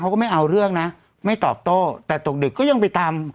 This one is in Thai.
ก็ไม่เอาเรื่องนะไม่ตอบโต้แต่ตกดึกก็ยังไปตาม